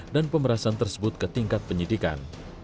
dan pemerasan tersebut ke tingkat penyidikan